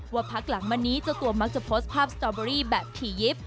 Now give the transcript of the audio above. พักหลังมานี้เจ้าตัวมักจะโพสต์ภาพสตอเบอรี่แบบถี่ยิป